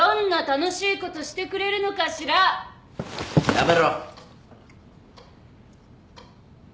やめろ。